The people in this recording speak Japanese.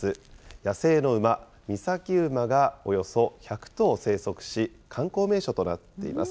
野生の馬、岬馬がおよそ１００頭生息し、観光名所となっています。